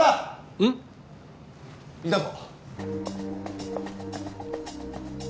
うん？いたぞ。